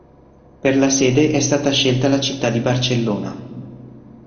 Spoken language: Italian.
Per la sede è stata scelta la città di Barcellona.